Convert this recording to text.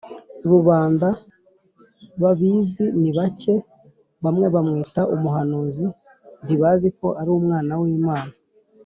Rubanda babizi nibake bamwe bamwita umuhanuzi ntibazi ko ari umwana wImana